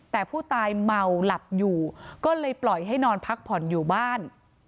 แต่ผู้ตายเมาหลับอยู่ก็เลยปล่อยให้นอนพักผ่อนอยู่บ้าน